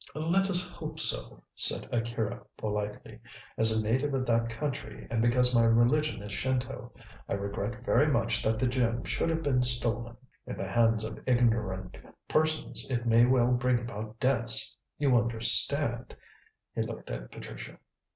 "Let us hope so," said Akira politely. "As a native of that country, and because my religion is Shinto, I regret very much that the gem should have been stolen. In the hands of ignorant persons it may well bring about deaths. You understand," he looked at Patricia.